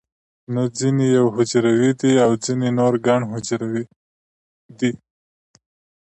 نه ځینې یو حجروي دي او ځینې نور ګڼ حجروي دي